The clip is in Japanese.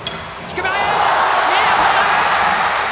いい当たりだ！